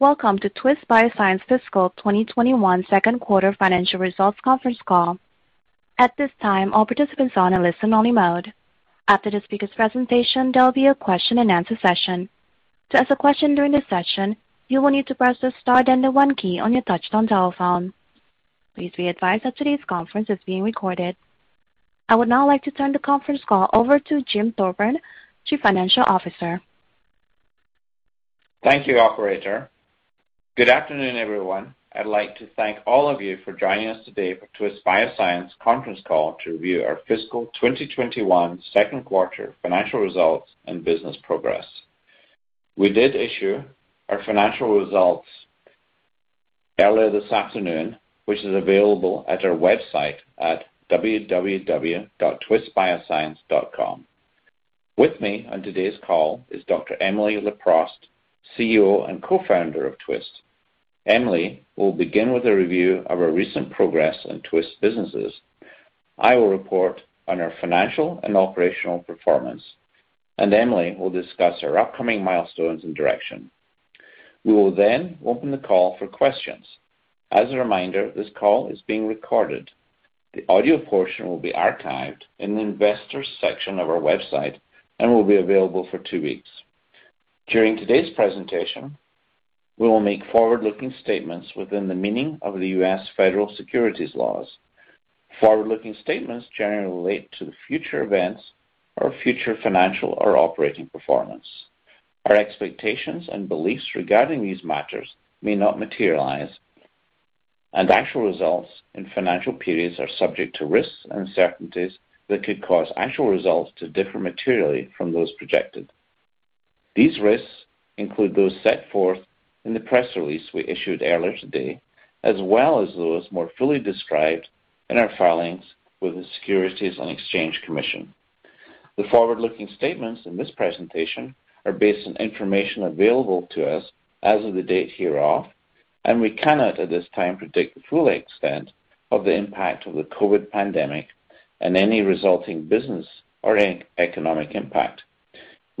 Welcome to Twist Bioscience fiscal 2021 second quarter financial result conference call. At this this all participants are in listen-only mode. after this presentation there will be a question and answer session, you will need to press star then one on your touchtone telephone. Please be advised that this conference is being recorded. l would now like to turn the conference call over to Jim Thorburn, Chief Financial Officer. Thank you, operator. Good afternoon, everyone. I'd like to thank all of you for joining us today for Twist Bioscience conference call to review our fiscal 2021 second quarter financial results and business progress. We did issue our financial results earlier this afternoon, which is available at our website at www.twistbioscience.com. With me on today's call is Dr. Emily Leproust, CEO and co-founder of Twist. Emily will begin with a review of our recent progress in Twist businesses. I will report on our financial and operational performance, and Emily will discuss our upcoming milestones and direction. We will then open the call for questions. As a reminder, this call is being recorded. The audio portion will be archived in the investors section of our website and will be available for two weeks. During today's presentation, we will make forward-looking statements within the meaning of the U.S. federal securities laws. Forward-looking statements generally relate to the future events or future financial or operating performance. Our expectations and beliefs regarding these matters may not materialize, and actual results in financial periods are subject to risks and uncertainties that could cause actual results to differ materially from those projected. These risks include those set forth in the press release we issued earlier today, as well as those more fully described in our filings with the Securities and Exchange Commission. The forward-looking statements in this presentation are based on information available to us as of the date hereof, and we cannot, at this time, predict the full extent of the impact of the COVID pandemic and any resulting business or economic impact.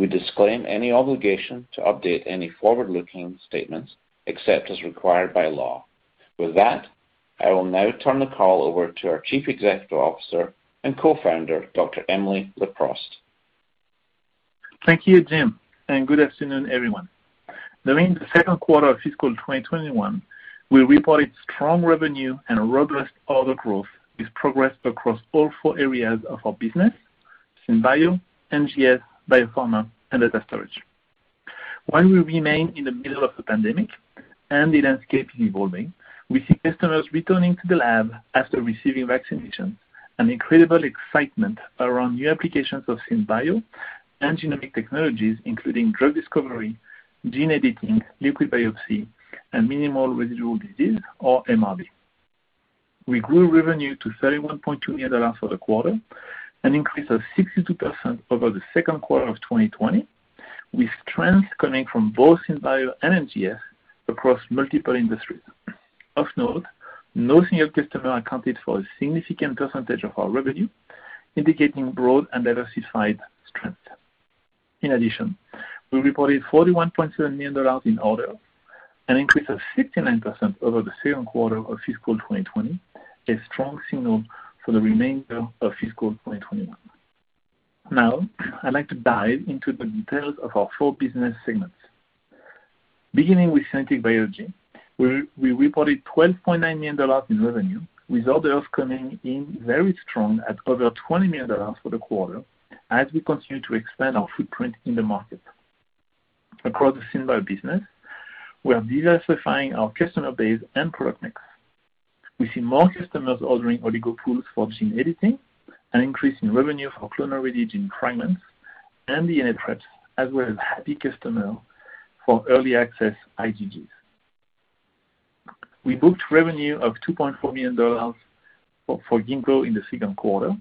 We disclaim any obligation to update any forward-looking statements except as required by law. With that, I will now turn the call over to our Chief Executive Officer and Co-founder, Dr. Emily Leproust. Thank you, Jim. Good afternoon, everyone. During the second quarter of fiscal 2021, we reported strong revenue and robust order growth with progress across all four areas of our business: SynBio, NGS, Twist BioPharma, and data storage. While we remain in the middle of the pandemic and the landscape is evolving, we see customers returning to the lab after receiving vaccinations and incredible excitement around new applications of SynBio and genomic technologies, including drug discovery, gene editing, liquid biopsy, and minimal residual disease, or MRD. We grew revenue to $31.2 million for the quarter, an increase of 62% over the second quarter of 2020, with trends coming from both SynBio and NGS across multiple industries. Of note, no single customer accounted for a significant % of our revenue, indicating broad and diversified strength. In addition, we reported $41.7 million in orders, an increase of 59% over the second quarter of fiscal 2020, a strong signal for the remainder of fiscal 2021. I'd like to dive into the details of our four business segments. Beginning with synthetic biology, we reported $12.9 million in revenue, with orders coming in very strong at over $20 million for the quarter as we continue to expand our footprint in the market. Across the SynBio business, we are diversifying our customer base and product mix. We see more customers ordering Oligo Pools for gene editing, an increase in revenue for Clonal-Ready Gene Fragments, and DNA preps, as well as happy customer for early access IgG. We booked revenue of $2.4 million for Ginkgo in the second quarter,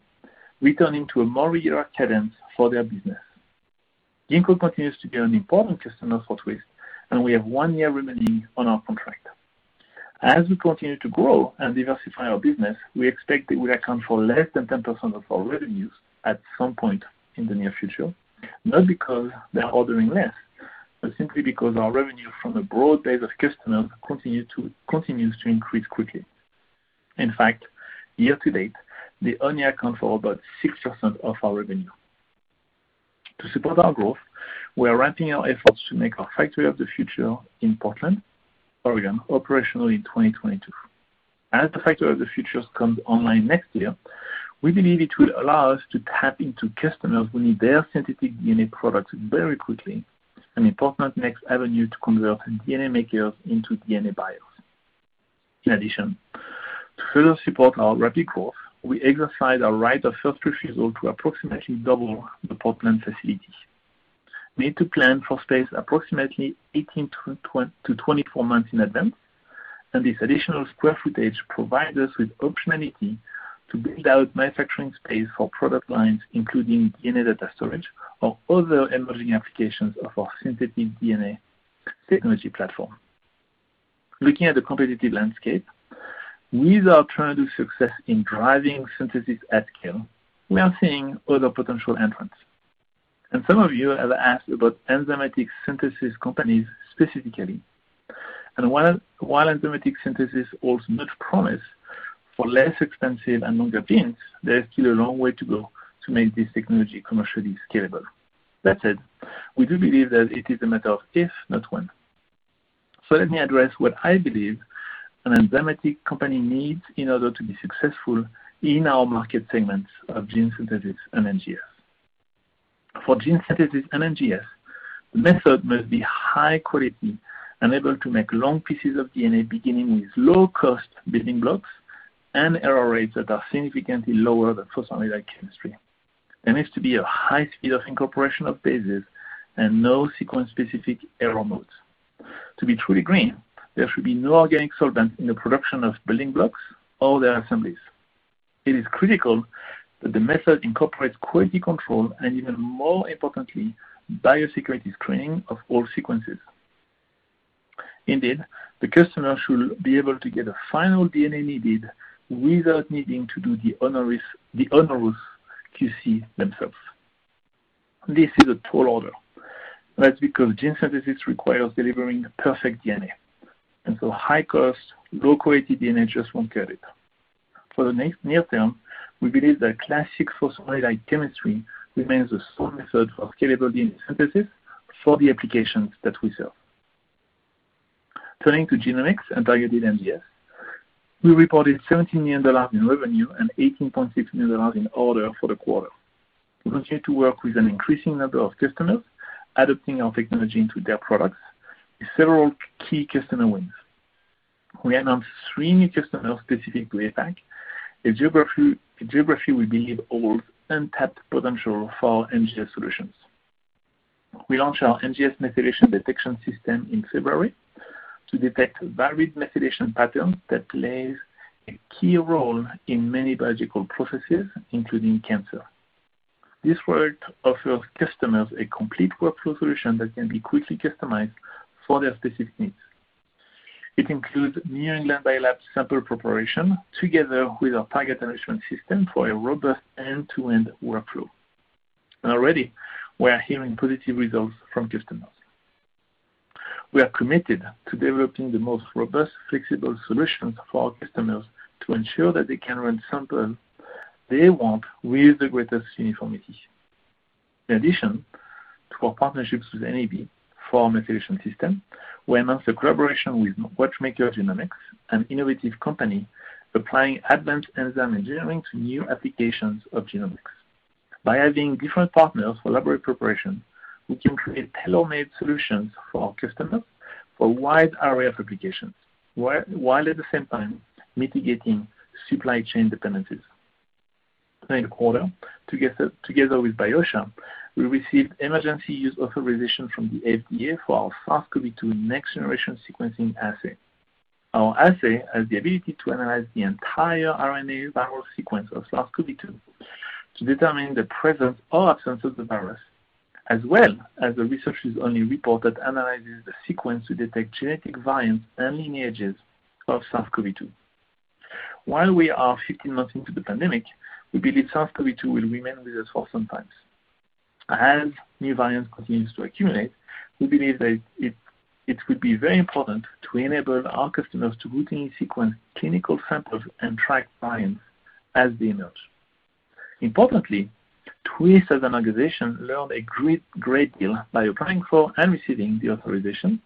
returning to a more regular cadence for their business. Ginkgo continues to be an important customer for Twist, and we have one year remaining on our contract. As we continue to grow and diversify our business, we expect it will account for less than 10% of our revenues at some point in the near future, not because they are ordering less, but simply because our revenue from the broad base of customers continues to increase quickly. In fact, year to date, they only account for about 6% of our revenue. To support our growth, we are ramping our efforts to make our factory of the future in Portland, Oregon, operational in 2022. As the factory of the future comes online next year, we believe it will allow us to tap into customers who need their synthetic DNA products very quickly, an important next avenue to convert from DNA makers into DNA buyers. In addition, to further support our rapid growth, we exercised our right of first refusal to approximately double the Portland facility. We need to plan for space approximately 18-24 months in advance, and this additional square footage provides us with optionality to build out manufacturing space for product lines, including DNA data storage or other emerging applications of our synthetic DNA technology platform. Looking at the competitive landscape, with our tremendous success in driving synthesis at scale, we are seeing other potential entrants. Some of you have asked about enzymatic synthesis companies specifically. While enzymatic synthesis holds much promise for less expensive and longer genes, there is still a long way to go to make this technology commercially scalable. That said, we do believe that it is a matter of if, not when. Let me address what I believe an enzymatic company needs in order to be successful in our market segments of gene synthesis and NGS. For gene synthesis and NGS, the method must be high quality and able to make long pieces of DNA, beginning with low-cost building blocks and error rates that are significantly lower than phosphoramidite chemistry. There needs to be a high speed of incorporation of bases and no sequence-specific error modes. To be truly green, there should be no organic solvent in the production of building blocks or their assemblies. It is critical that the method incorporates quality control and, even more importantly, biosecurity screening of all sequences. Indeed, the customer should be able to get a final DNA needed without needing to do the onerous QC themselves. This is a tall order. That's because gene synthesis requires delivering perfect DNA, and so high-cost, low-quality DNA just won't cut it. For the near term, we believe that classic phosphoramidite chemistry remains a sound method for scalable DNA synthesis for the applications that we serve. Turning to genomics and targeted NGS, we reported $17 million in revenue and $18.6 million in orders for the quarter. We continue to work with an increasing number of customers adapting our technology into their products with several key customer wins. We announced three new customer-specific layback, a geography we believe holds untapped potential for our NGS solutions. We launched our NGS methylation detection system in February to detect varied methylation patterns that plays a key role in many biological processes, including cancer. This work offers customers a complete workflow solution that can be quickly customized for their specific needs. It includes New England Biolabs sample preparation together with our target enrichment system for a robust end-to-end workflow. Already we are hearing positive results from customers. We are committed to developing the most robust, flexible solutions for our customers to ensure that they can run samples they want with the greatest uniformity. In addition to our partnerships with NEB for our methylation system, we announced a collaboration with Watchmaker Genomics, an innovative company applying advanced enzyme engineering to new applications of genomics. By having different partners for library preparation, we can create tailor-made solutions for our customers for a wide array of applications, while at the same time mitigating supply chain dependencies. During the quarter, together with Biotia, we received emergency use authorization from the FDA for our SARS-CoV-2 next-generation sequencing assay. Our assay has the ability to analyze the entire RNA viral sequence of SARS-CoV-2 to determine the presence or absence of the virus, as well as the researcher's only report that analyzes the sequence to detect genetic variants and lineages of SARS-CoV-2. While we are 15 months into the pandemic, we believe SARS-CoV-2 will remain with us for some time. As new variants continue to accumulate, we believe that it will be very important to enable our customers to routinely sequence clinical samples and track variants as they emerge. Importantly, Twist as an organization learned a great deal by applying for and receiving the authorization,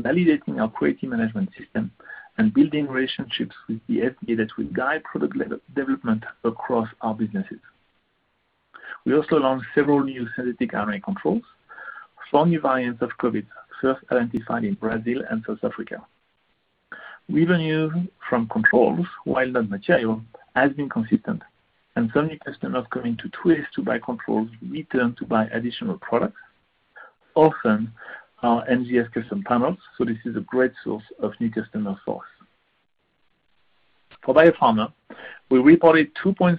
validating our quality management system, and building relationships with the FDA that will guide product development across our businesses. We also launched several new synthetic RNA controls for new variants of COVID first identified in Brazil and South Africa. Revenue from controls, while not material, has been consistent, and some new customers coming to Twist to buy controls return to buy additional products, often our NGS custom panels. This is a great source of new customer source. For biopharma, we reported $2.6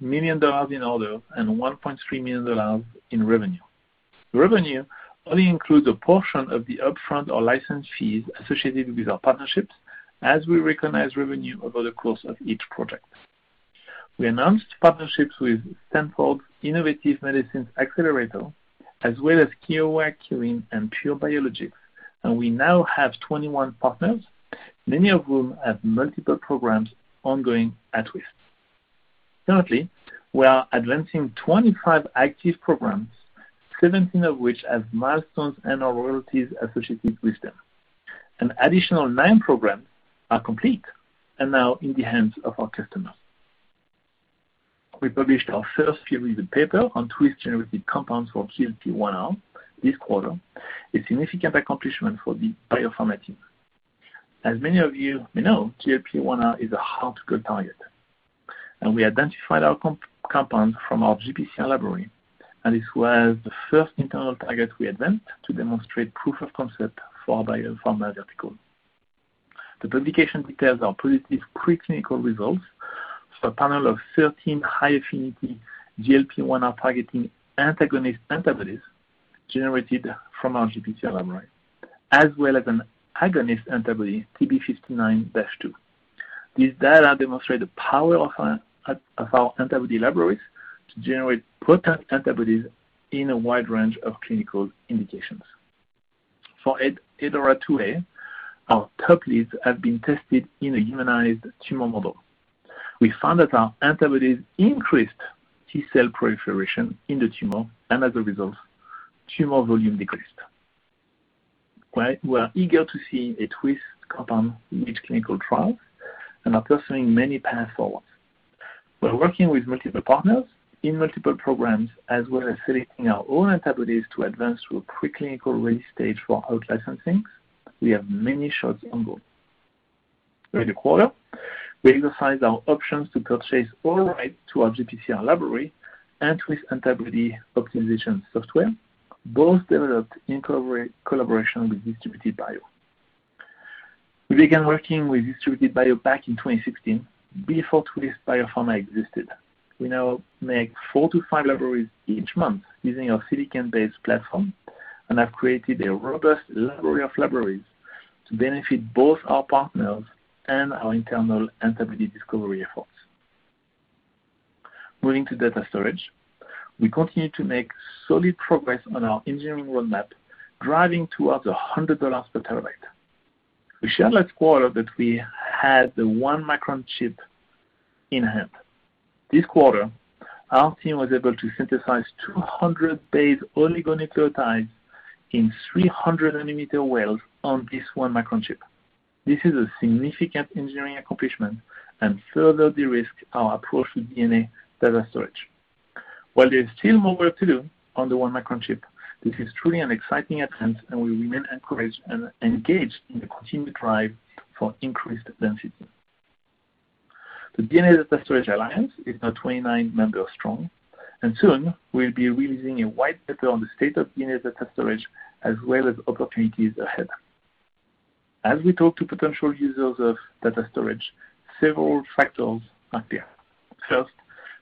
million in orders and $1.3 million in revenue. Revenue only includes a portion of the upfront or license fees associated with our partnerships as we recognize revenue over the course of each project. We announced partnerships with Stanford Innovative Medicines Accelerator, as well as Kyowa Kirin and Pure Biologics, and we now have 21 partners, many of whom have multiple programs ongoing at Twist. Currently, we are advancing 25 active programs, 17 of which have milestones and/or royalties associated with them. An additional nine programs are complete and now in the hands of our customers. We published our first peer-reviewed paper on Twist-generated compounds for GLP-1R this quarter, a significant accomplishment for the BioPharma team. As many of you may know, GLP-1R is a hard-to-go target. We identified our compound from our GPCR library. This was the first internal target we advanced to demonstrate proof of concept for our BioPharma vertical. The publication details our positive pre-clinical results for a panel of 13 high-affinity GLP-1R targeting antagonist antibodies generated from our GPCR library, as well as an agonist antibody, TB59-2. These data demonstrate the power of our antibody libraries to generate potent antibodies in a wide range of clinical indications. For ADORA2A, our top leads have been tested in a humanized tumor model. We found that our antibodies increased T-cell proliferation in the tumor. As a result, tumor volume decreased. We are eager to see a Twist compound in each clinical trial and are pursuing many paths forward. We are working with multiple partners in multiple programs, as well as selecting our own antibodies to advance through a pre-clinical ready stage for out-licensing. We have many shots on goal. During the quarter, we exercised our options to purchase all rights to our GPCR library and Twist Antibody Optimization software, both developed in collaboration with Distributed Bio. We began working with Distributed Bio back in 2016, before Twist BioPharma existed. We now make four to five libraries each month using our silicon-based platform and have created a robust library of libraries to benefit both our partners and our internal antibody discovery efforts. Moving to data storage, we continue to make solid progress on our engineering roadmap, driving towards $100 per terabyte. We shared last quarter that we had the one-micron chip in hand. This quarter, our team was able to synthesize 200 base oligonucleotides in 300 nanometer wells on this one-micron chip. This is a significant engineering accomplishment and further de-risks our approach to DNA data storage. While there is still more work to do on the one-micron chip, this is truly an exciting advance, and we remain encouraged and engaged in the continued drive for increased density. The DNA Data Storage Alliance is now 29 members strong, and soon we'll be releasing a white paper on the state of DNA data storage, as well as opportunities ahead. As we talk to potential users of data storage, several factors are clear. First,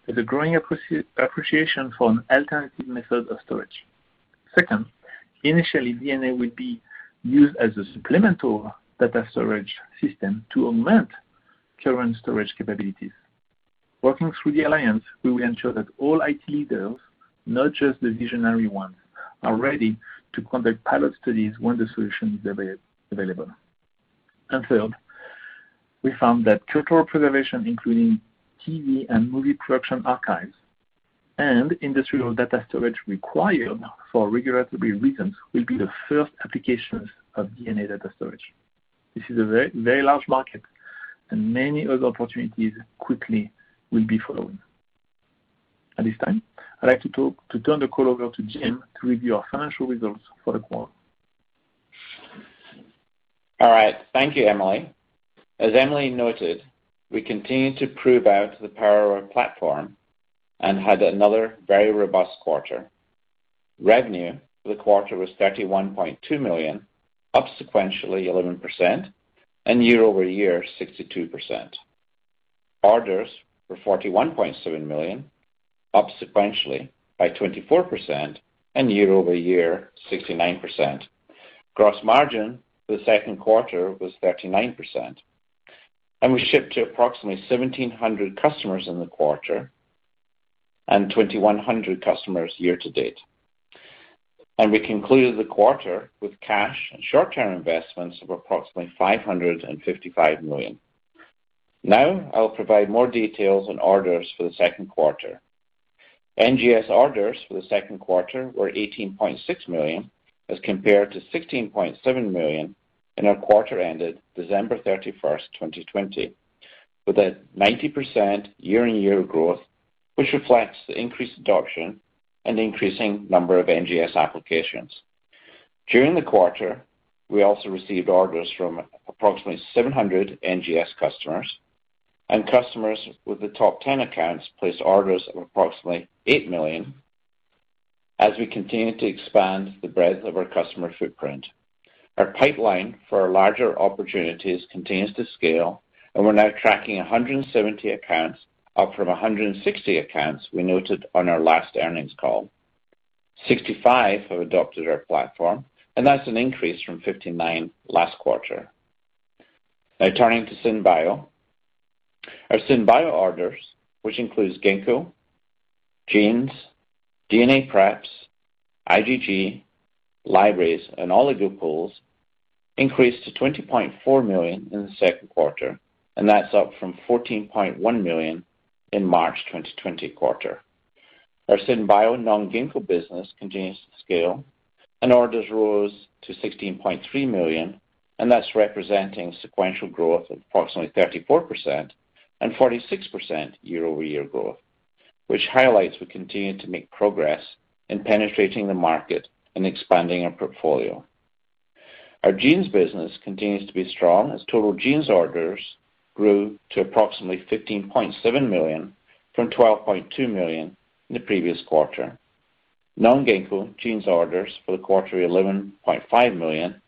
there's a growing appreciation for an alternative method of storage. Second, initially, DNA will be used as a supplemental data storage system to augment current storage capabilities. Working through the Alliance, we will ensure that all IT leaders, not just the visionary ones, are ready to conduct pilot studies when the solution is available. Third, we found that cultural preservation, including TV and movie production archives and industrial data storage required for regulatory reasons, will be the first applications of DNA data storage. This is a very large market, and many other opportunities quickly will be following. At this time, I'd like to turn the call over to Jim to review our financial results for the quarter. All right. Thank you, Emily. As Emily noted, we continue to prove out the power of our platform and had another very robust quarter. Revenue for the quarter was $31.2 million, up sequentially 11% and year-over-year 62%. Orders were $41.7 million, up sequentially by 24% and year-over-year 69%. Gross margin for the second quarter was 39%, we shipped to approximately 1,700 customers in the quarter and 2,100 customers year-to-date. We concluded the quarter with cash and short-term investments of approximately $555 million. Now, I'll provide more details on orders for the second quarter. NGS orders for the second quarter were $18.6 million as compared to $16.7 million in our quarter ended December 31, 2020, with a 90% year-on-year growth, which reflects the increased adoption and increasing number of NGS applications. During the quarter, we also received orders from approximately 700 NGS customers, and customers with the top 10 accounts placed orders of approximately $8 million as we continue to expand the breadth of our customer footprint. Our pipeline for larger opportunities continues to scale, and we're now tracking 170 accounts up from 160 accounts we noted on our last earnings call. 65 have adopted our platform, and that's an increase from 59 last quarter. Now turning to SynBio. Our SynBio orders, which includes Ginkgo, genes, DNA preps, IgG, libraries, and Oligo Pools, increased to $20.4 million in the second quarter, and that's up from $14.1 million in March 2020 quarter. Our SynBio non-Ginkgo business continues to scale, and orders rose to $16.3 million, and that's representing sequential growth of approximately 34% and 46% year-over-year growth, which highlights we continue to make progress in penetrating the market and expanding our portfolio. Our genes business continues to be strong as total genes orders grew to approximately $15.7 million from $12.2 million in the previous quarter. Non-Ginkgo Bioworks genes orders for the quarter are $11.5 million.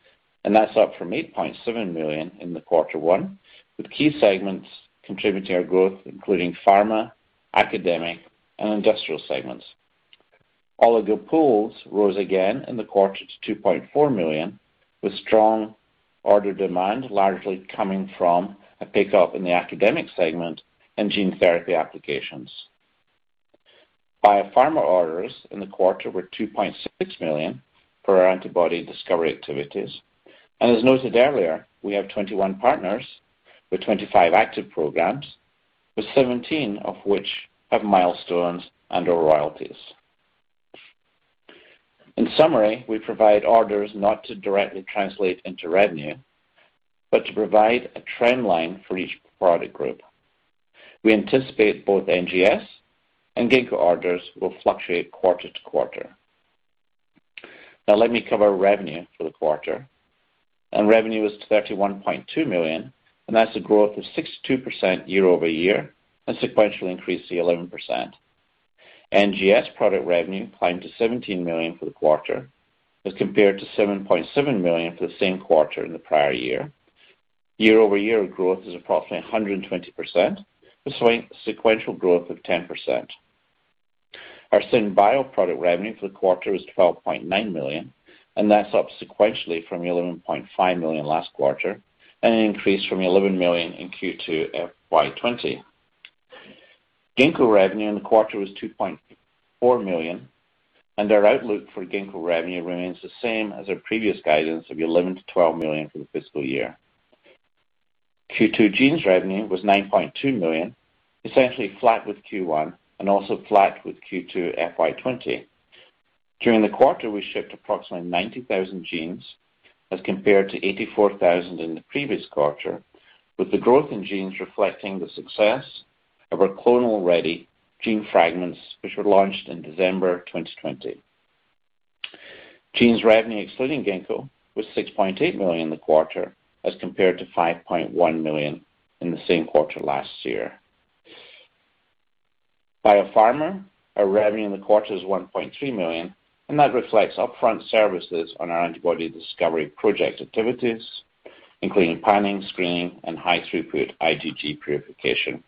That's up from $8.7 million in the quarter one, with key segments contributing to our growth, including pharma, academic, and industrial segments. Oligo Pools rose again in the quarter to $2.4 million, with strong order demand largely coming from a pickup in the academic segment and gene therapy applications. Twist BioPharma orders in the quarter were $2.6 million for our antibody discovery activities. As noted earlier, we have 21 partners with 25 active programs, with 17 of which have milestones and/or royalties. In summary, we provide orders not to directly translate into revenue, but to provide a trend line for each product group. We anticipate both NGS and Ginkgo Bioworks orders will fluctuate quarter to quarter. Let me cover revenue for the quarter. Revenue was $31.2 million, and that's a growth of 62% year-over-year and sequentially increased to the 11%. NGS product revenue climbed to $17 million for the quarter as compared to $7.7 million for the same quarter in the prior year. Year-over-year growth is approximately 120%, with sequential growth of 10%. Our SynBio product revenue for the quarter was $12.9 million, and that's up sequentially from $11.5 million last quarter and an increase from $11 million in Q2 FY 2020. Ginkgo revenue in the quarter was $2.4 million, and our outlook for Ginkgo revenue remains the same as our previous guidance of $11 million-$12 million for the fiscal year. Q2 genes revenue was $9.2 million, essentially flat with Q1 and also flat with Q2 FY 2020. During the quarter, we shipped approximately 90,000 genes as compared to 84,000 in the previous quarter, with the growth in genes reflecting the success of our Clonal-Ready Gene Fragments, which were launched in December 2020. Genes revenue excluding Ginkgo was $6.8 million in the quarter as compared to $5.1 million in the same quarter last year. Biopharma, our revenue in the quarter is $1.3 million, that reflects upfront services on our antibody discovery project activities, including panning, screening, and high-throughput IgG purification.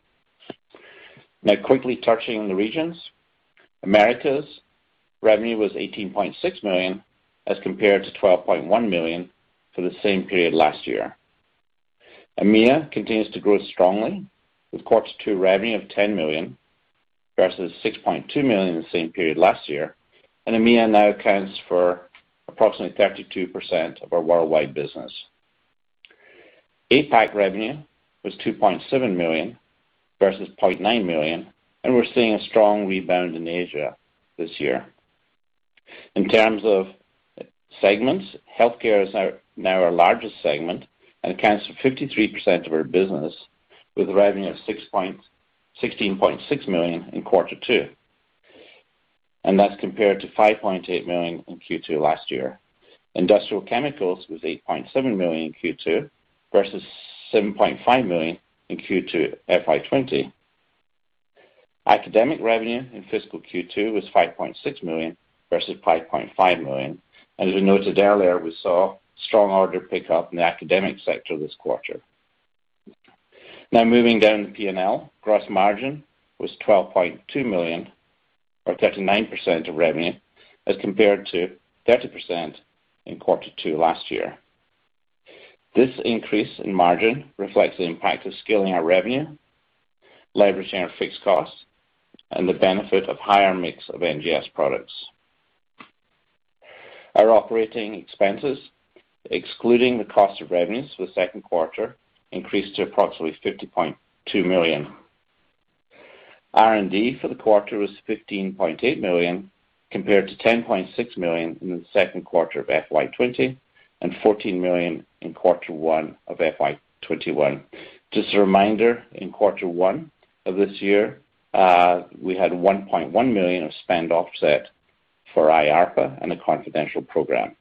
Quickly touching on the regions. Americas revenue was $18.6 million as compared to $12.1 million for the same period last year. EMEA continues to grow strongly with quarter two revenue of $10 million versus $6.2 million in the same period last year, EMEA now accounts for approximately 32% of our worldwide business. APAC revenue was $2.7 million versus $0.9 million. We're seeing a strong rebound in Asia this year. In terms of segments, healthcare is now our largest segment and accounts for 53% of our business with revenue of $16.6 million in quarter two. That's compared to $5.8 million in Q2 last year. Industrial chemicals was $8.7 million in Q2 versus $7.5 million in Q2 FY 2020. Academic revenue in fiscal Q2 was $5.6 million versus $5.5 million. As we noted earlier, we saw strong order pickup in the academic sector this quarter. Moving down the P&L, gross margin was $12.2 million or 39% of revenue as compared to 30% in quarter two last year. This increase in margin reflects the impact of scaling our revenue, leveraging our fixed costs, and the benefit of higher mix of NGS products. Our operating expenses, excluding the cost of revenues for the second quarter, increased to approximately $50.2 million. R&D for the quarter was $15.8 million compared to $10.6 million in the second quarter of FY 2020 and $14 million in quarter one of FY 2021. Just a reminder, in quarter one of this year, we had $1.1 million of spend offset for IARPA and a confidential program.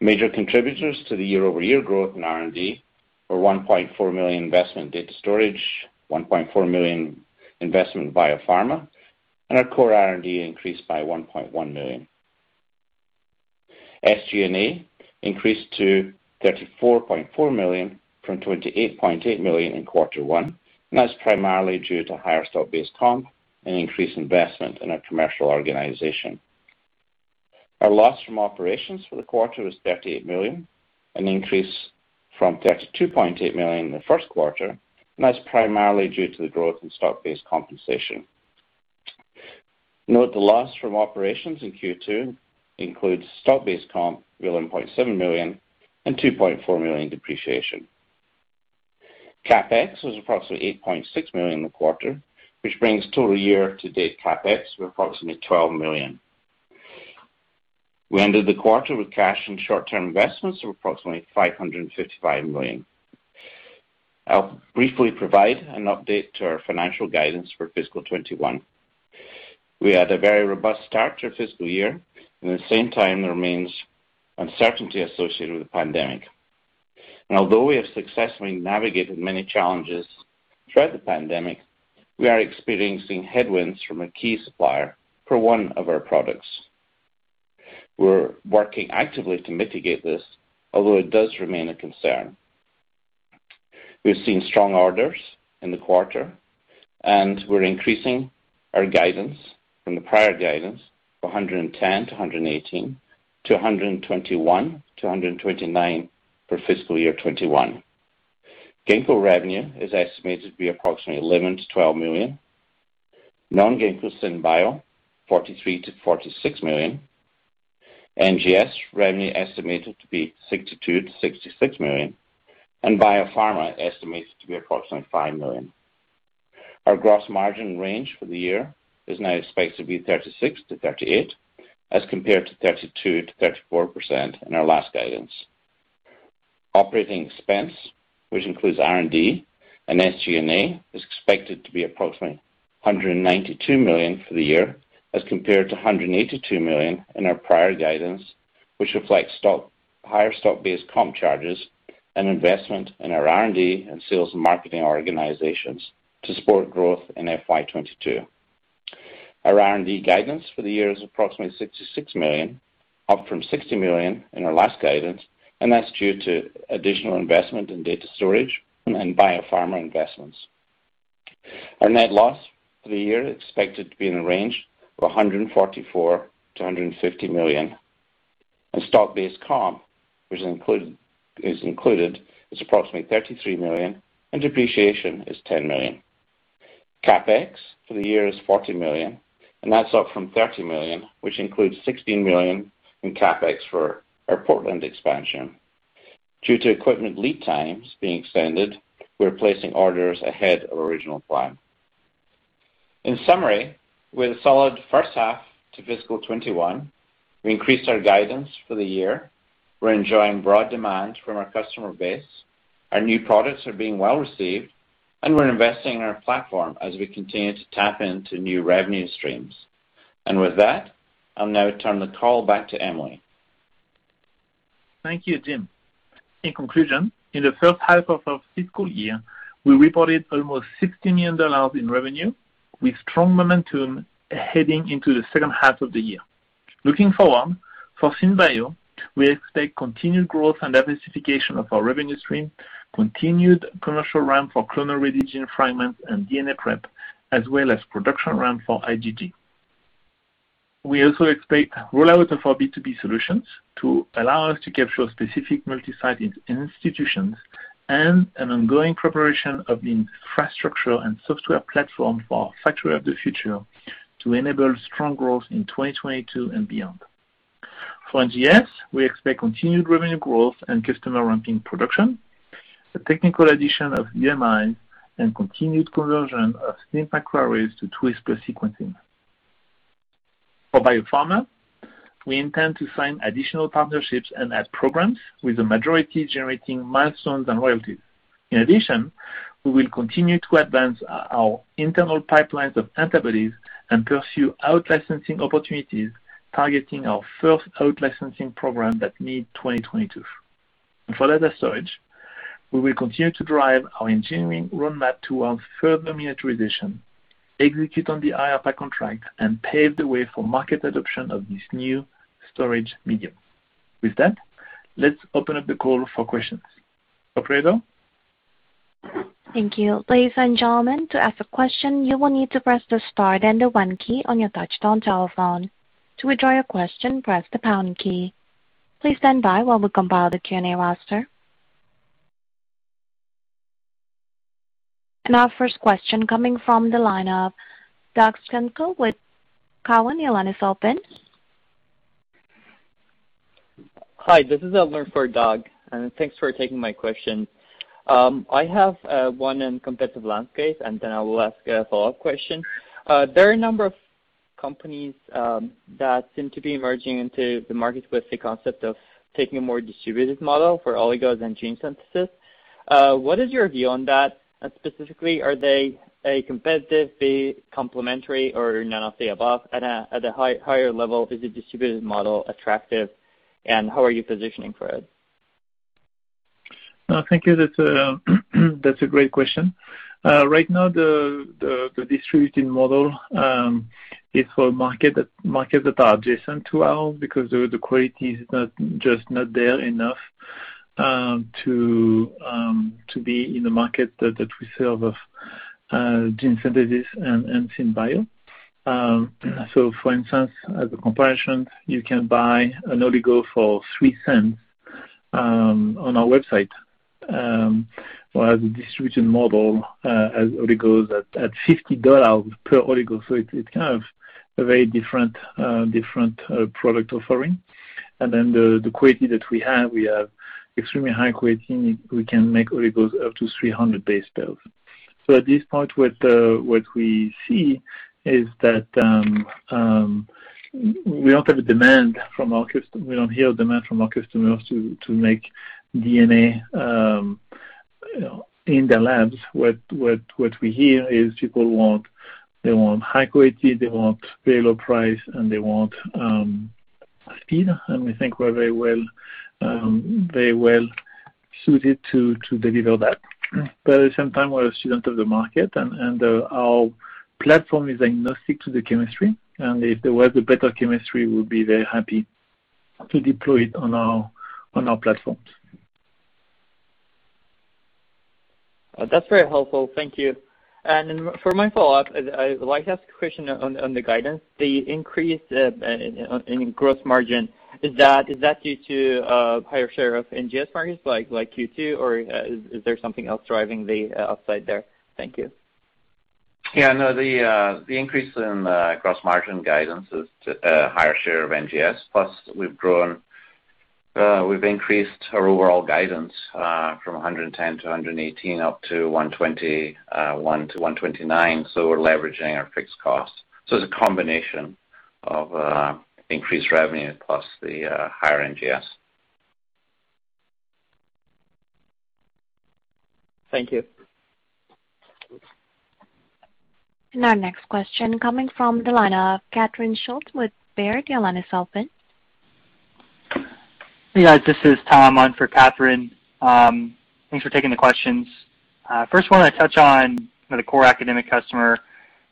Major contributors to the year-over-year growth in R&D were $1.4 million investment in data storage, $1.4 million investment in biopharma, our core R&D increased by $1.1 million. SG&A increased to $34.4 million from $28.8 million in quarter one, that's primarily due to higher stock-based comp and increased investment in our commercial organization. Our loss from operations for the quarter was $38 million, an increase from $32.8 million in the first quarter, that's primarily due to the growth in stock-based compensation. Note the loss from operations in Q2 includes stock-based comp, $11.7 million, and $2.4 million depreciation. CapEx was approximately $8.6 million in the quarter, which brings total year-to-date CapEx to approximately $12 million. We ended the quarter with cash and short-term investments of approximately $555 million. I'll briefly provide an update to our financial guidance for fiscal 2021. We had a very robust start to our fiscal year and at the same time, there remains uncertainty associated with the pandemic. Although we have successfully navigated many challenges throughout the pandemic, we are experiencing headwinds from a key supplier for one of our products. We're working actively to mitigate this, although it does remain a concern. We've seen strong orders in the quarter, and we're increasing our guidance from the prior guidance of $110 million-$118 million to $121 million-$129 million for fiscal year 2021. Ginkgo revenue is estimated to be approximately $11 million-$12 million. Non-Ginkgo SynBio, $43 million-$46 million. NGS revenue estimated to be $62 million-$66 million. Biopharma estimated to be approximately $5 million. Our gross margin range for the year is now expected to be 36%-38%, as compared to 32%-34% in our last guidance. Operating expense, which includes R&D and SG&A, is expected to be approximately $192 million for the year as compared to $182 million in our prior guidance, which reflects higher stock-based comp charges and investment in our R&D and sales and marketing organizations to support growth in FY 2022. Our R&D guidance for the year is approximately $66 million, up from $60 million in our last guidance, and that's due to additional investment in data storage and biopharma investments. Our net loss for the year is expected to be in the range of $144 million-$150 million. Stock-based comp, which is included, is approximately $33 million, and depreciation is $10 million. CapEx for the year is $40 million, that's up from $30 million, which includes $16 million in CapEx for our Portland expansion. Due to equipment lead times being extended, we're placing orders ahead of original plan. In summary, with a solid first half to fiscal 2021, we increased our guidance for the year. We're enjoying broad demand from our customer base. Our new products are being well-received, and we're investing in our platform as we continue to tap into new revenue streams. With that, I'll now turn the call back to Emily. Thank you, Jim. In conclusion, in the first half of our fiscal year, we reported almost $60 million in revenue, with strong momentum heading into the second half of the year. Looking forward, for SynBio, we expect continued growth and diversification of our revenue stream, continued commercial ramp for Clonal-Ready Gene Fragments and DNA prep, as well as production ramp for IgG. We also expect rollout of our B2B solutions to allow us to capture specific multi-site institutions and an ongoing preparation of the infrastructure and software platform for our factory of the future to enable strong growth in 2022 and beyond. For NGS, we expect continued revenue growth and customer ramp in production, the technical addition of UMI and continued conversion of SNP microarrays to Twist sequencing. For Biopharma, we intend to sign additional partnerships and add programs, with the majority generating milestones and royalties. In addition, we will continue to advance our internal pipelines of antibodies and pursue out-licensing opportunities targeting our first out-licensing program that mid-2022. For data storage, we will continue to drive our engineering roadmap towards further miniaturization, execute on the IARPA contract, and pave the way for market adoption of this new storage medium. With that, let's open up the call for questions. Operator? Our first question coming from the line of Doug Schenkel with Cowen. Your line is open. Hi, this is Elmer for Doug, and thanks for taking my question. I have one on competitive landscape, and then I will ask a follow-up question. There are a number of companies that seem to be emerging into the market with the concept of taking a more distributed model for oligos and gene synthesis. What is your view on that? Specifically, are they A, competitive, B, complementary, or none of the above? At a higher level, is the distributed model attractive, and how are you positioning for it? Thank you. That's a great question. Right now, the Distributed model is for markets that are adjacent to ours because the quality is just not there enough to be in the market that we serve of gene synthesis and SynBio. For instance, as a comparison, you can buy an Oligo for $0.03 on our website, whereas the distribution model has Oligos at $50 per Oligo. It's kind of a very different product offering. The quality that we have, we have extremely high quality, and we can make Oligos up to 300 base pairs. At this point, what we see is that we don't have the demand from our customers. We don't hear demand from our customers to make DNA In the labs, what we hear is people want high quality, they want better price, and they want speed. I think we're very well-suited to deliver that. At the same time, we are student of the market, and our platform is agnostic to the chemistry, and if there was a better chemistry, we'll be very happy to deploy it on our platforms. That's very helpful. Thank you. For my follow-up, I'd like to ask a question on the guidance. The increase in gross margin, is that due to a higher share of NGS margins, like Q2, or is there something else driving the upside there? Thank you. The increase in the gross margin guidance is higher share of NGS. We've increased our overall guidance from $110-$118 up to $121-$129, so we're leveraging our fixed cost. It's a combination of increased revenue plus the higher NGS. Thank you. Our next question coming from the line of Catherine Schulte with Baird. Your line is open. Yeah, this is Tom on for Catherine. Thanks for taking the questions. First one, I touch on the core academic customer.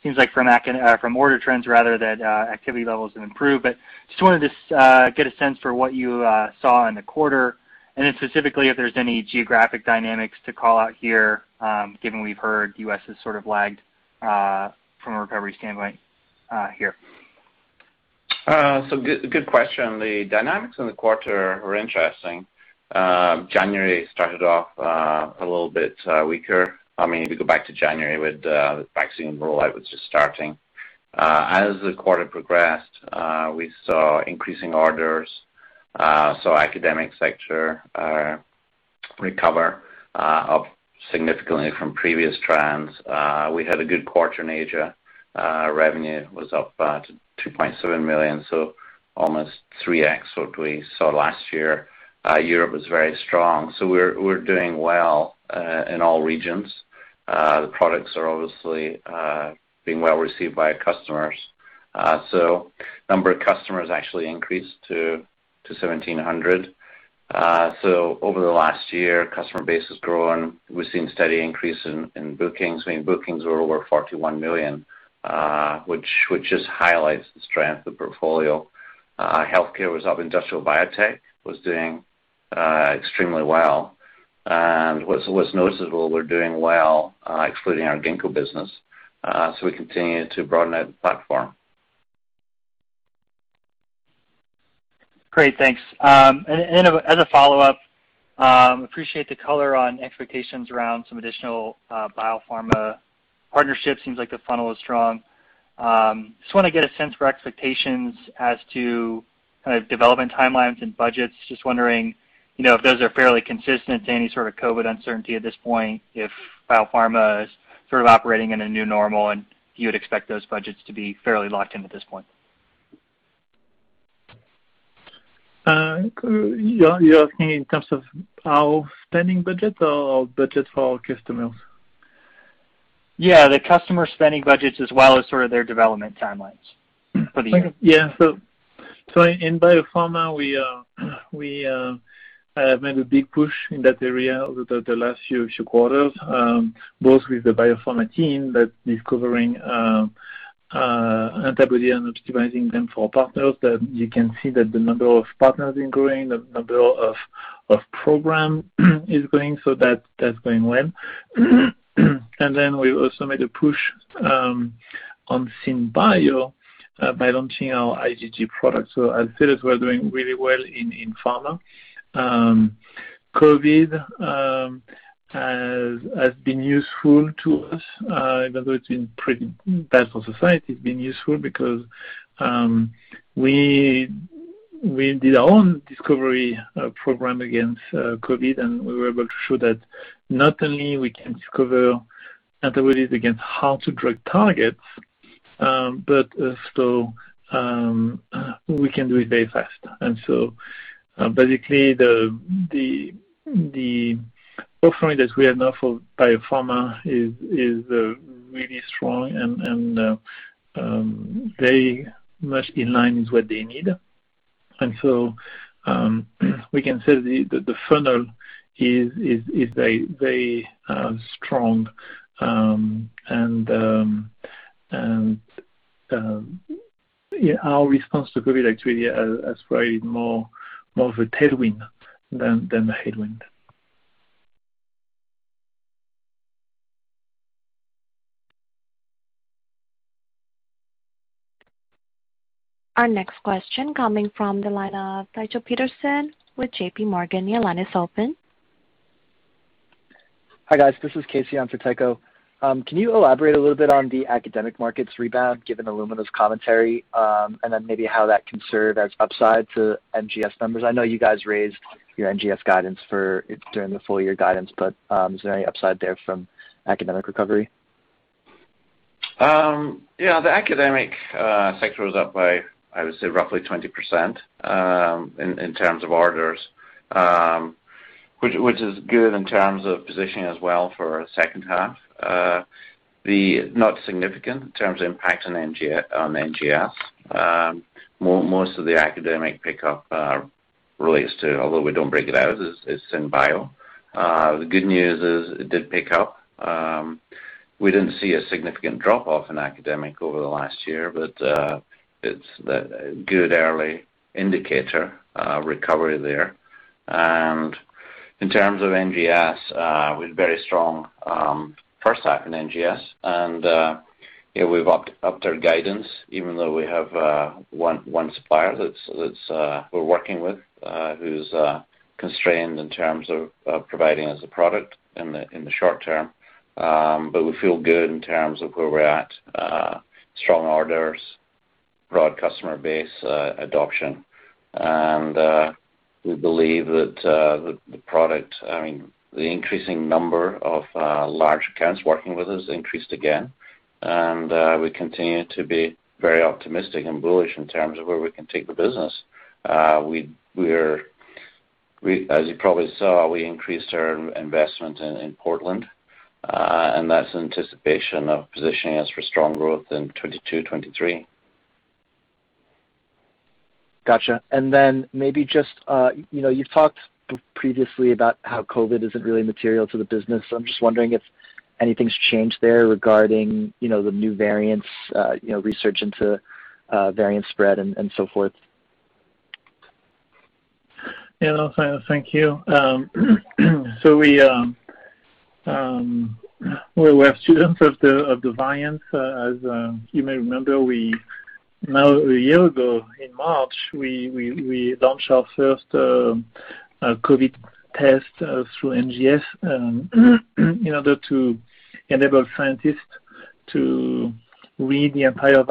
Seems like from order trends rather that activity levels have improved, just wanted to get a sense for what you saw in the quarter, specifically, if there's any geographic dynamics to call out here, given we've heard U.S. has sort of lagged from a recovery standpoint here. Good question. The dynamics in the quarter are interesting. January started off a little bit weaker. We go back to January with the vaccine rollout was just starting. As the quarter progressed, we saw increasing orders. Academic sector recover up significantly from previous trends. We had a good quarter in Asia. Revenue was up $2.7 million, almost 3x what we saw last year. Europe was very strong. We're doing well in all regions. The products are obviously being well received by customers. Number of customers actually increased to 1,700. Over the last year, customer base has grown. We've seen steady increase in bookings. I mean, bookings were over $41 million, which just highlights the strength of the portfolio. Healthcare was up. Industrial biotech was doing extremely well, and what's noticeable, we're doing well excluding our Ginkgo business. We continue to broaden out the platform. Great. Thanks. As a follow-up, appreciate the color on expectations around some additional biopharma partnerships. Seems like the funnel is strong. Just want to get a sense for expectations as to kind of development timelines and budgets. Just wondering if those are fairly consistent to any sort of COVID uncertainty at this point, if biopharma is sort of operating in a new normal, and you would expect those budgets to be fairly locked in at this point. You're asking in terms of our spending budgets or budgets for our customers? Yeah, the customer spending budgets as well as sort of their development timelines for you. Yeah. In Twist BioPharma, we have made a big push in that area over the last few quarters, both with the Twist BioPharma team that's discovering antibody and optimizing them for partners, that you can see that the number of partners is growing, the number of program is growing, that's going well. Then we also made a push on SynBio by launching our IgG product. I'd say we're doing really well in pharma. COVID has been useful to us. I know it's been pretty bad for society. It's been useful because we did our own discovery program against COVID, and we were able to show that not only we can discover antibodies against hard-to-drug targets, but also we can do it very fast. Basically, the offering that we have now for biopharma is really strong and very much in line with what they need. We can say that the funnel is very strong. Our response to COVID actually has been more of a tailwind than a headwind. Our next question coming from the line of Tycho Peterson with JPMorgan. Your line is open. Hi, guys. This is Kasey on for Tycho. Can you elaborate a little bit on the academic markets rebound, given Illumina's commentary, then maybe how that can serve as upside to NGS numbers? I know you guys raised your NGS guidance for during the full year guidance, is there any upside there from academic recovery? The academic sector was up by, I would say, roughly 20% in terms of orders, which is good in terms of positioning as well for our second half. Not significant in terms of impact on NGS. Most of the academic pickup relates to, although we don't break it out, it's in bio. The good news is it did pick up. We didn't see a significant drop-off in academic over the last year, but it's a good early indicator of recovery there. In terms of NGS, we had a very strong first half in NGS. We've upped our guidance, even though we have one supplier that we're working with, who's constrained in terms of providing us a product in the short term. We feel good in terms of where we're at. Strong orders, broad customer base adoption. We believe that the increasing number of large accounts working with us increased again. We continue to be very optimistic and bullish in terms of where we can take the business. As you probably saw, we increased our investment in Portland, and that's in anticipation of positioning us for strong growth in 2022, 2023. Got you. Maybe just, you've talked previously about how COVID isn't really material to the business. I'm just wondering if anything's changed there regarding the new variants, research into variant spread, and so forth. Yeah, no, thank you. We're students of the variants. As you may remember, now one year ago in March, we launched our first COVID test through NGS in order to enable scientists to read the entire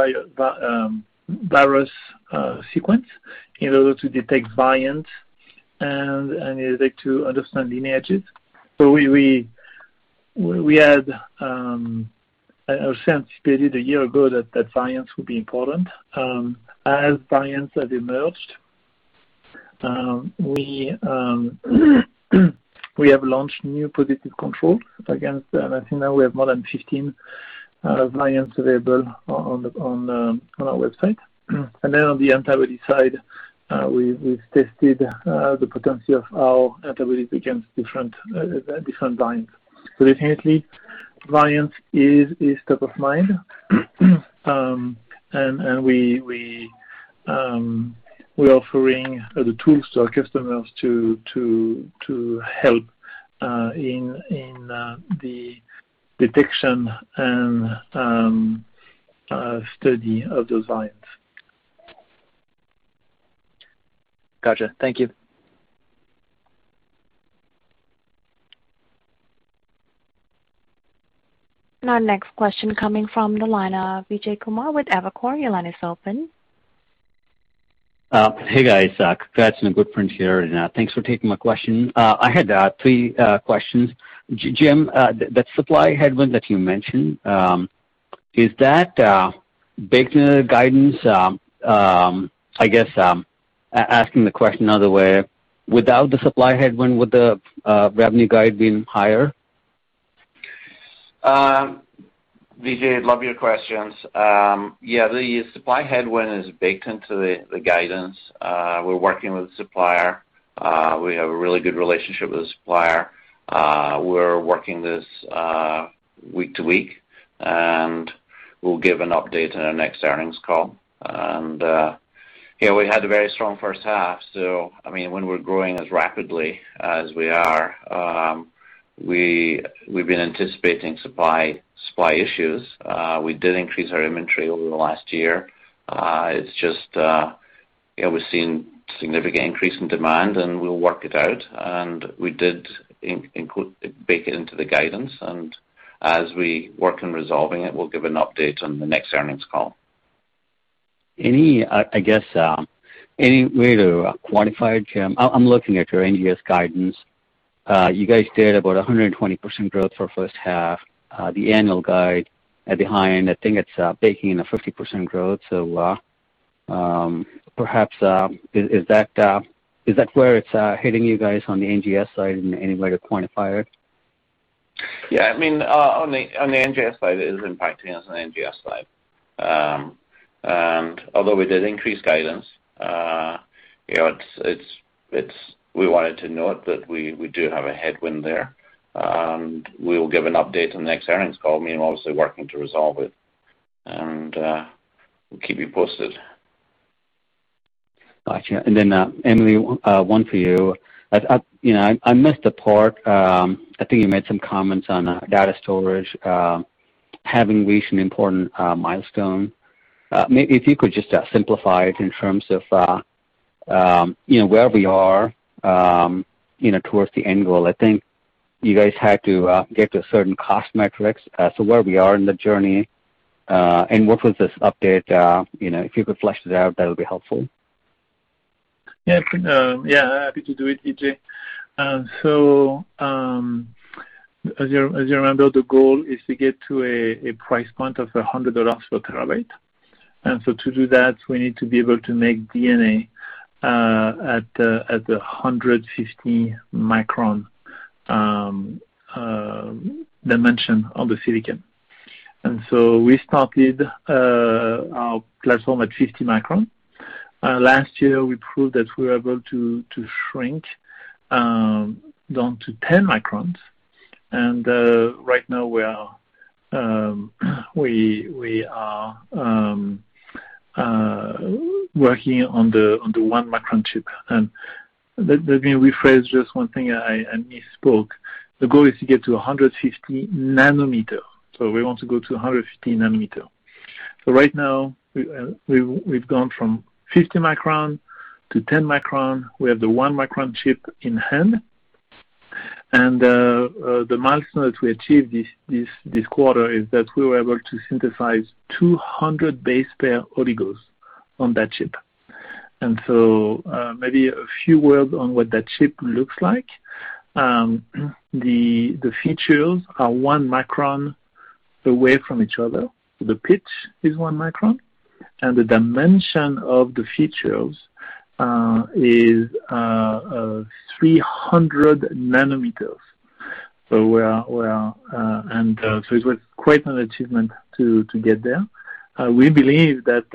virus sequence in order to detect variants and in order to understand lineages. We had anticipated one year ago that variants would be important. As variants have emerged, we have launched new positive control against, I think now we have more than 15 variants available on our website. On the antibody side, we've tested the potency of our antibodies against different variants. Definitely, variants is top of mind, and we're offering the tools to our customers to help in the detection and study of those variants. Got you. Thank you. Our next question coming from the line of Vijay Kumar with Evercore. Your line is open. Hey, guys. Congrats on a good quarter, and thanks for taking my question. I had three questions. Jim, that supply headwind that you mentioned, is that baked into the guidance? I guess asking the question another way, without the supply headwind, would the revenue guide been higher? Vijay, love your questions. Yeah, the supply headwind is baked into the guidance. We're working with the supplier. We have a really good relationship with the supplier. We're working this week to week, and we'll give an update on our next earnings call. We had a very strong first half, so when we're growing as rapidly as we are, we've been anticipating supply issues. We did increase our inventory over the last year. It's just we're seeing significant increase in demand, and we'll work it out. We did bake it into the guidance, and as we work on resolving it, we'll give an update on the next earnings call. I guess, any way to quantify it, Jim? I'm looking at your NGS guidance. You guys did about 120% growth for first half. The annual guide at the high end, I think it's baking in a 50% growth. Perhaps, is that where it's hitting you guys on the NGS side? Any way to quantify it? Yeah, on the NGS side, it is impacting us on the NGS side. Although we did increase guidance, we wanted to note that we do have a headwind there. We will give an update on the next earnings call. We're obviously working to resolve it, and we'll keep you posted. Got you. Emily, one for you. I missed the part, I think you made some comments on data storage having reached an important milestone. Maybe if you could just simplify it in terms of where we are towards the end goal. I think you guys had to get to a certain cost metrics. Where we are in the journey, and what was this update? If you could flesh it out, that would be helpful. Happy to do it, Vijay Kumar. As you remember, the goal is to get to a price point of $100 for terabyte. To do that, we need to be able to make DNA at the 150-micron dimension on the silicon. We started our platform at 50 micron. Last year, we proved that we were able to shrink down to 10 microns, and right now we are working on the one-micron chip. Let me rephrase just one thing, I misspoke. The goal is to get to 150 nanometer. We want to go to 150 nanometer. Right now we've gone from 50 micron to 10 micron. We have the one-micron chip in hand, and the milestone that we achieved this quarter is that we were able to synthesize 200 base pair oligos on that chip. Maybe a few words on what that chip looks like. The features are one micron away from each other, so the pitch is one micron, and the dimension of the features is 300 nanometers. It was quite an achievement to get there. We believe that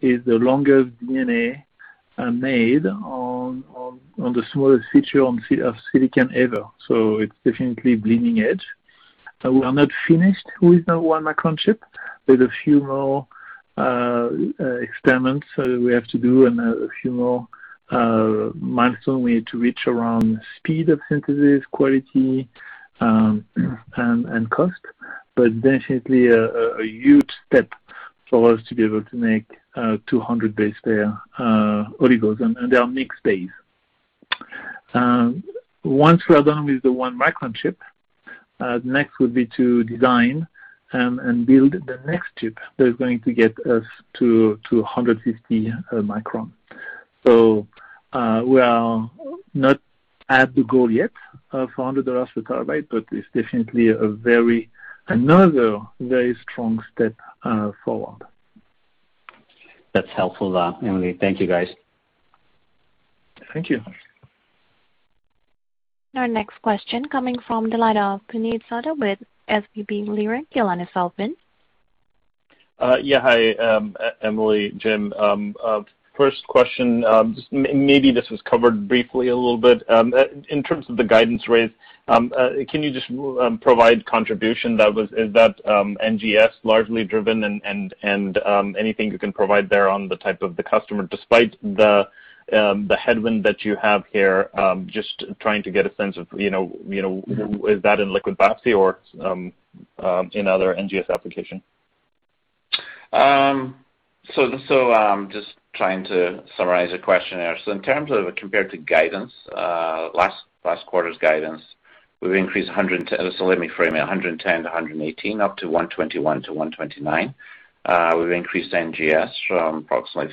is the longest DNA made on the smallest feature of silicon ever, so it's definitely bleeding edge. We are not finished with the one-micron chip. There's a few more experiments that we have to do and a few more milestones we need to reach around speed of synthesis, quality, and cost. Definitely a huge step for us to be able to make 200 base pair oligos, and they are mixed base. Once we are done with the one-micron chip, next would be to design and build the next chip that is going to get us to 150 micron. We are not at the goal yet of $100 per terabyte, but it's definitely another very strong step forward. That's helpful, Emily. Thank you, guys. Thank you. Our next question coming from the line of Puneet Souda with SVB Leerink. Your line is open. Yeah. Hi, Emily, Jim. First question, maybe this was covered briefly a little bit. In terms of the guidance raise, can you just provide contribution? Is that NGS largely driven? Anything you can provide there on the type of the customer, despite the headwind that you have here, just trying to get a sense of is that in liquid biopsy or in other NGS application? Just trying to summarize your question there. In terms of compared to guidance, last quarter's guidance, we've increased $110-$118, up to $121-$129. We've increased NGS from approximately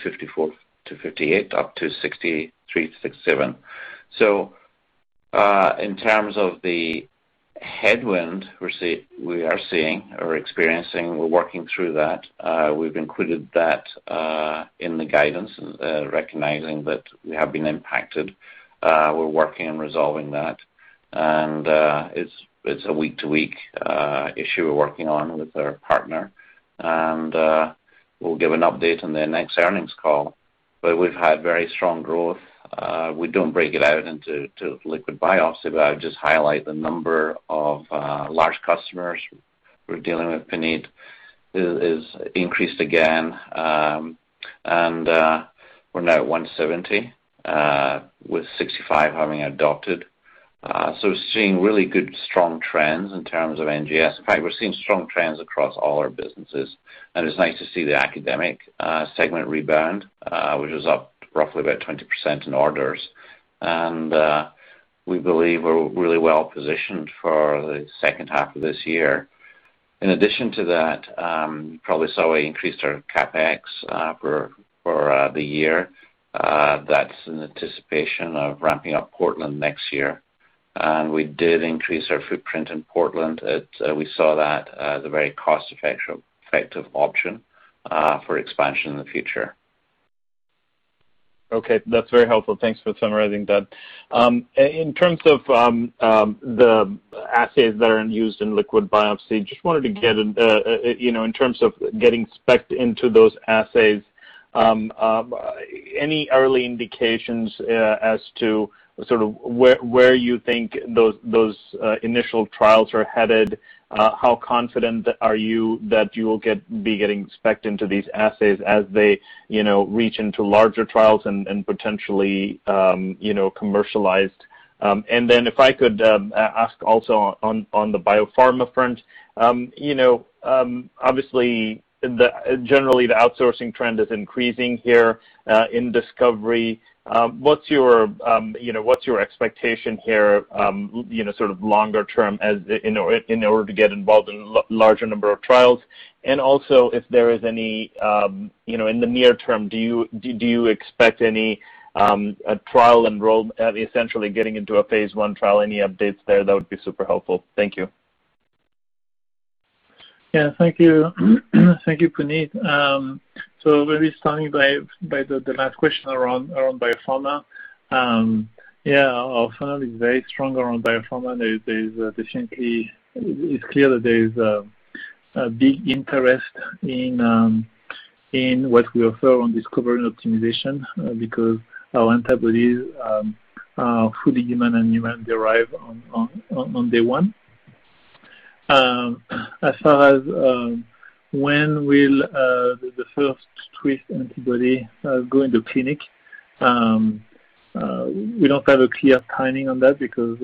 $54-$58, up to $63-$67. In terms of the headwind we are seeing or experiencing, we're working through that. We've included that in the guidance, recognizing that we have been impacted. We're working on resolving that. It's a week-to-week issue we're working on with our partner. We'll give an update on the next earnings call. We've had very strong growth. We don't break it out into liquid biopsy, I would just highlight the number of large customers we're dealing with, Puneet is increased again, we're now at 170, with 65 having adopted. We're seeing really good, strong trends in terms of NGS. In fact, we're seeing strong trends across all our businesses, and it's nice to see the academic segment rebound, which was up roughly about 20% in orders. We believe we're really well-positioned for the second half of this year. In addition to that, you probably saw we increased our CapEx for the year. That's in anticipation of ramping up Portland next year. We did increase our footprint in Portland. We saw that as a very cost-effective option for expansion in the future. Okay. That's very helpful. Thanks for summarizing that. In terms of the assays that are in use in liquid biopsy, just wanted to get in terms of getting spec-ed into those assays, any early indications as to sort of where you think those initial trials are headed? How confident are you that you will be getting spec-ed into these assays as they reach into larger trials and potentially commercialized? Then if I could ask also on the biopharma front, obviously, generally the outsourcing trend is increasing here in discovery. What's your expectation here sort of longer term in order to get involved in larger number of trials? Also, if there is any, in the near term, do you expect any trial essentially getting into a phase I trial, any updates there? That would be super helpful. Thank you. Yeah. Thank you, Puneet, Maybe starting by the last question around BioPharma. Our funnel is very strong around BioPharma. It's clear that there is a big interest in what we offer on discovery and optimization, because our antibodies are fully human and human-derived on day one. As far as when will the first Twist antibody go into clinic, we don't have a clear timing on that because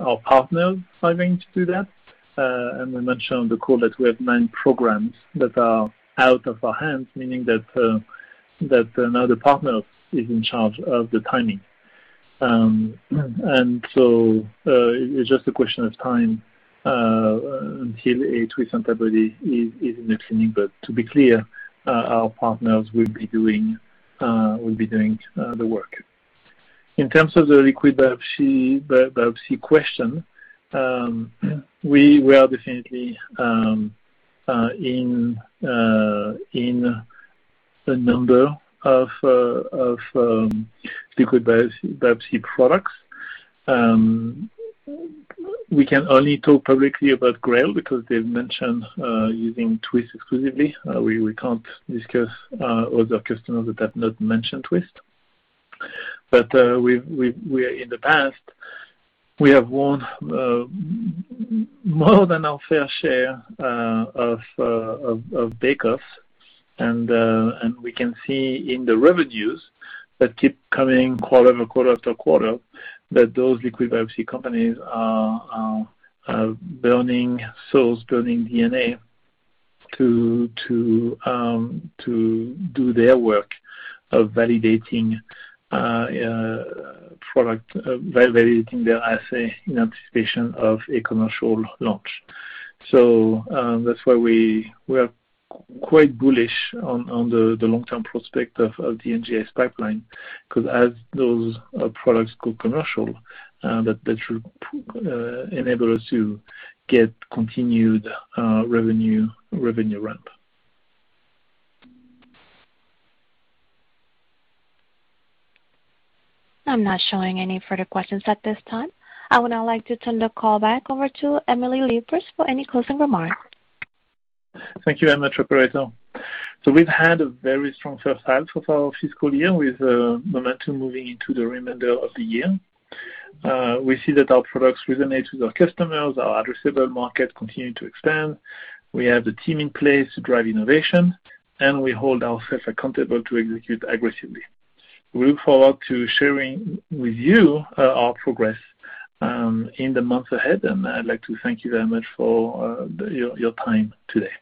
our partners are going to do that. We mentioned on the call that we have nine programs that are out of our hands, meaning that now the partner is in charge of the timing. It's just a question of time until a Twist antibody is in the clinic. To be clear, our partners will be doing the work. In terms of the liquid biopsy question, we are definitely in a number of liquid biopsy products. We can only talk publicly about GRAIL because they've mentioned using Twist exclusively. We can't discuss other customers that have not mentioned Twist. In the past, we have won more than our fair share of bake-offs. We can see in the revenues that keep coming quarter after quarter after quarter that those liquid biopsy companies are burning souls, burning DNA to do their work of validating their assay in anticipation of a commercial launch. That's why we are quite bullish on the long-term prospect of the NGS pipeline, because as those products go commercial, that should enable us to get continued revenue ramp. I'm not showing any further questions at this time. I would now like to turn the call back over to Emily Leproust for any closing remarks. Thank you very much, operator. We've had a very strong first half of our fiscal year with momentum moving into the remainder of the year. We see that our products resonate with our customers, our addressable market continuing to expand. We have the team in place to drive innovation, and we hold ourselves accountable to execute aggressively. We look forward to sharing with you our progress in the months ahead, and I'd like to thank you very much for your time today.